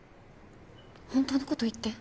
本当の事言って。